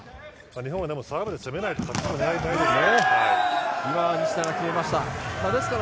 日本はサーブで攻めないとですね。